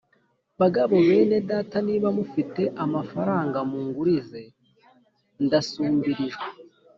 Bagabo bene Data niba mufite amafaranga mu ngurize ndasumbirijwe